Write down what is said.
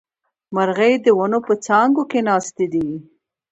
مرغۍ د ونو په څانګو کې ناستې دي